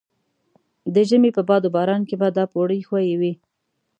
د ژمي په باد و باران کې به دا پوړۍ ښویې وې.